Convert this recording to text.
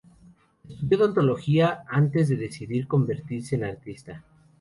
Estudió odontología, antes de decidir convertirse en artista.